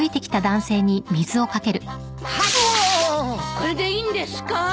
これでいいんですか？